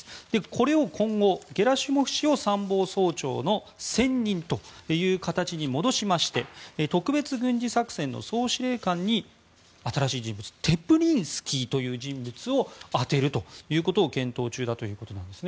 これを今後、ゲラシモフ氏を参謀総長の専任という形に戻しまして特別軍事作戦の総司令官に新しい人物テプリンスキーという人物を充てるということを検討中ということです。